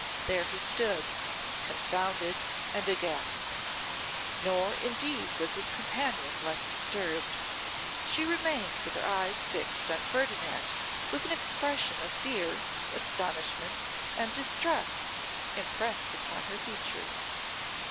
There he stood, confounded and aghast. Nor indeed was his companion less disturbed. She remained with her eyes fixed on Ferdinand with an expression of fear, astonishment, and distress impressed upon her features.